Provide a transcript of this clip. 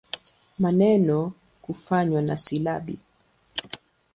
Maneno kufanywa na silabi.